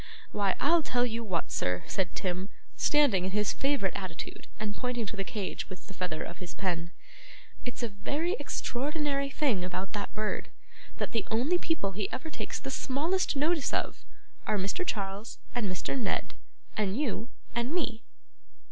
'Why, I'll tell you what, sir,' said Tim, standing in his favourite attitude and pointing to the cage with the feather of his pen, 'it's a very extraordinary thing about that bird, that the only people he ever takes the smallest notice of, are Mr. Charles, and Mr. Ned, and you, and me.